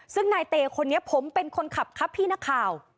ซึ่งนายเตคนนี้ผมเป็นคนขับครับพี่นักข่าว